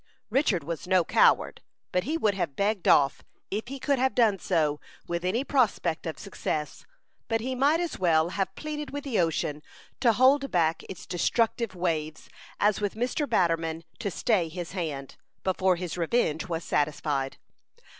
Richard was no coward, but he would have begged off, if he could have done so with any prospect of success; but he might as well have pleaded with the ocean to hold back its destructive waves, as with Mr. Batterman to stay his hand, before his revenge was satisfied.